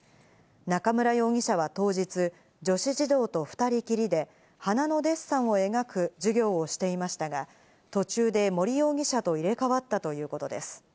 中村容疑者は当日、女子児童と二人きりで花のデッサンを描く授業をしていましたが、途中で森容疑者と入れ替わったということです。